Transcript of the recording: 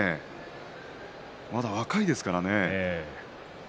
まだ若いですからね。